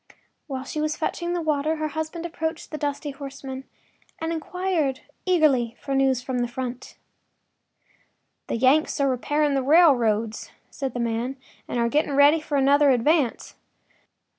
While she was fetching the water her husband approached the dusty horseman and inquired eagerly for news from the front. “The Yanks are repairing the railroads,” said the man, “and are getting ready for another advance.